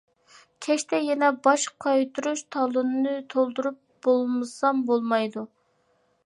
كەچتە يەنە باج قايتۇرۇش تالونىنى تولدۇرۇپ بولمىسام بولمايدۇ.